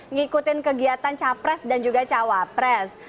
ngikutin kegiatan capres dan juga cawapres